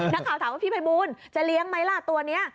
นักข่าวถามว่าพี่ภัยบูลจะเลี้ยงไหมล่ะตัวนี้